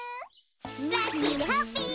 ラッキーでハッピー！